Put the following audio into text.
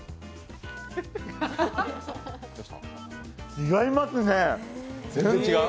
違いますね。